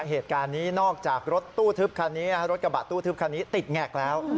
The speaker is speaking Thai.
เหตุการณ์นี้นอกจากรถตู้ทึบคันนี้รถกระบะตู้ทึบคันนี้ติดแงกแล้ว